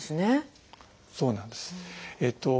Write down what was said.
そうなんです。